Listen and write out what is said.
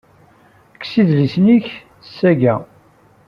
Kkes idlisen-nnek seg-a.